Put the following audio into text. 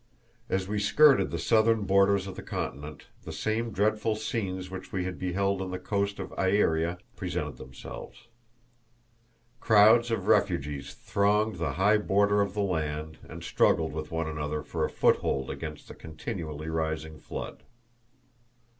As we skirted the southern borders of the continent the same dreadful scenes which we had beheld on the coast of Aeria presented themselves. Crowds of refugees thronged the high border of the land and struggled with one another for a foothold against the continually rising flood.